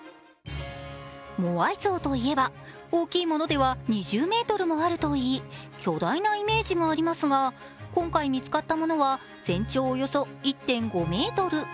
モアイ像といえば大きいものでは２０ｍもあるといい、巨大なイメージがありますが今回見つかったものは全長およそ１．５ｍ。